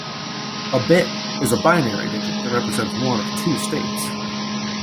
A "bit" is a binary digit that represents one of two states.